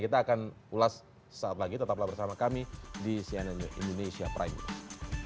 kita akan ulas saat lagi tetaplah bersama kami di cnn indonesia prime news